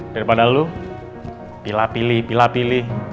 daripada lu pilih pilih pilih pilih